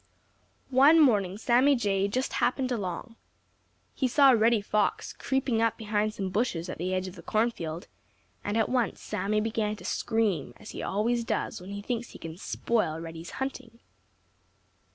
One morning Sammy Jay just happened along. He saw Reddy Fox creeping up behind some bushes at the edge of the cornfield, and at once Sammy began to scream as he always does when he thinks he can spoil Reddy's hunting.